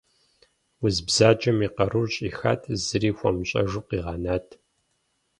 Уз бзаджэм и къарур щӀихат, зыри хуэмыщӀэжу къигъэнат.